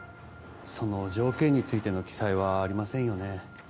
その条件についての記載はありませんよね